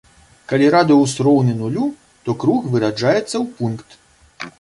Калі радыус роўны нулю, то круг выраджаецца ў пункт.